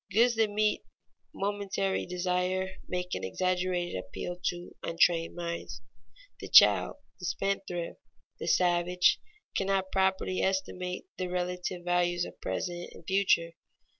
Goods that meet momentary desire make an exaggerated appeal to untrained minds. The child, the spendthrift, the savage, cannot properly estimate the relative values of present and future.